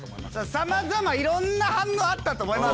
さまざまいろんな反応あったと思います